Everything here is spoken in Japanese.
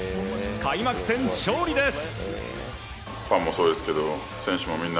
開幕戦、勝利です！